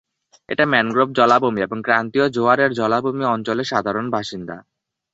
এটা ম্যানগ্রোভ জলাভূমি এবং ক্রান্তীয় জোয়ারের জলাভূমি অঞ্চলের সাধারণ বাসিন্দা।